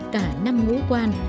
cả năm ngũ quan